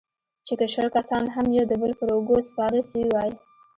چې که شل کسان هم يو د بل پر اوږو سپاره سوي واى.